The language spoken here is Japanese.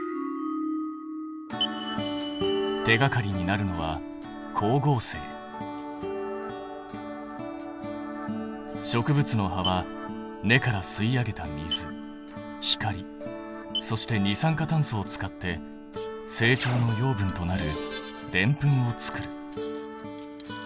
手がかりになるのは植物の葉は根から吸い上げた水光そして二酸化炭素を使って成長の養分となるデンプンを作る。